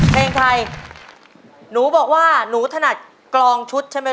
เพลงไทยหนูบอกว่าหนูถนัดกรองชุดใช่ไหม